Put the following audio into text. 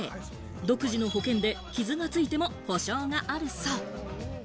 独自の保険で傷がついても補償があるそう。